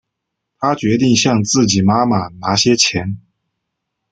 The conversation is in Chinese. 她决定向自己妈妈拿些钱